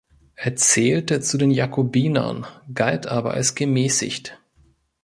Er zählte zu den Jakobinern, galt aber als gemäßigt.